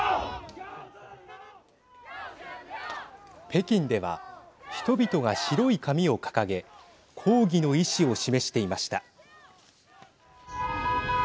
北京では、人々が白い紙を掲げ抗議の意思を示していました。